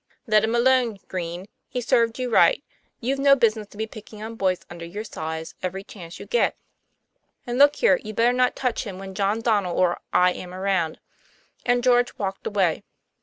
"Let him alone, Green; he served you right. You've no business to be picking on boys under your size every chance you get. And look here, you'd better not touch him when John Donnell or I am around." And George walked away.